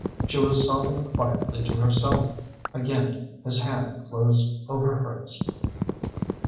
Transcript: She was sobbing quietly to herself. Again his hand closed over hers.